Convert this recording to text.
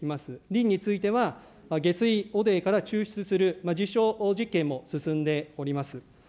リンについては、下水、汚泥から抽出する実証実験も進んでおります。